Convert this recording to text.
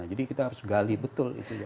jadi kita harus gali betul itu ya